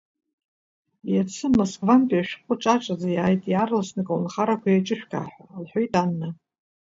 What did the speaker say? Иацы Москвантәи ашәҟәы ҿаҿаӡа иааит, иаарласны аколнхарақәа еиҿышәкаа ҳәа, — лҳәеит Анна.